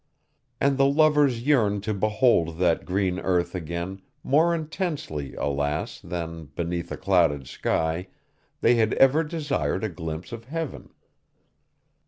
And the lovers yearned to behold that green earth again, more intensely, alas! than, beneath a clouded sky, they had ever desired a glimpse of heaven.